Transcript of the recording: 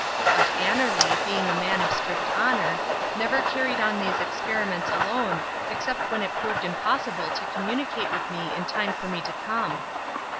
But Annerly, being a man of strict honour, never carried on these experiments alone except when it proved impossible to communicate with me in time for me to come.